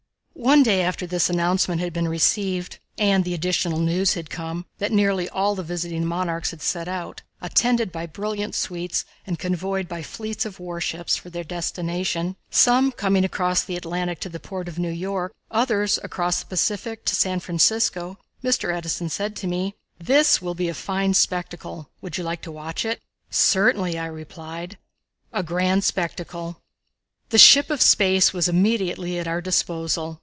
One day, after this announcement had been received, and the additional news had come that nearly all the visiting monarchs had set out, attended by brilliant suites and convoyed by fleets of warships, for their destination, some coming across the Atlantic to the port of New York, others across the Pacific to San Francisco, Mr. Edison said to me: "This will be a fine spectacle. Would you like to watch it?" "Certainly," I replied. A Grand Spectacle. The Ship of Space was immediately at our disposal.